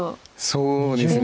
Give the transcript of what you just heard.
そうですね。